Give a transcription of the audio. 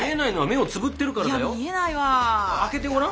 開けてごらん。